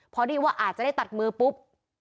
พอดีว่าอาจจะได้ตัดมือปุ๊บ